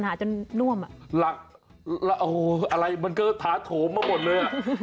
หลักอะไรมันก็ท้าโถงมาหมดเลย